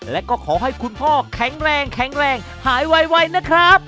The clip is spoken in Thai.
และก็ขอให้คุณพ่อแข็งแรงแข็งแรงหายไวนะครับ